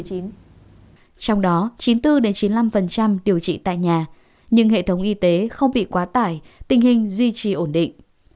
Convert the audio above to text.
trong đó chín mươi bốn chín mươi năm điều trị tại nhà nhưng hệ thống y tế không bị quá tải tình hình duy trì ổn định